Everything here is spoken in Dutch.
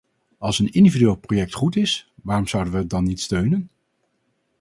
Als een individueel project goed is, waarom zouden we het dan niet steunen?